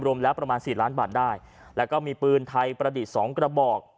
รวมแล้วประมาณสี่ล้านบาทได้แล้วก็มีปืนไทยประดิษฐ์สองกระบอก